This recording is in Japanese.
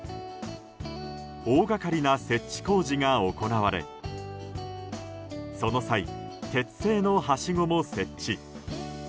大がかりな設置工事が行われその際、鉄製のはしごも設置。